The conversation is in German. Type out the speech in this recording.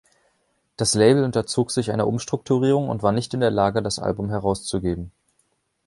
Das Label unterzog sich einer Umstrukturierung und war nicht in der Lage, das Album herauszugeben.